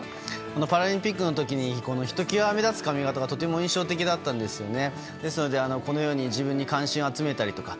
パラリンピックの時にひときわ目立つ髪形がとても印象的だったんですよね。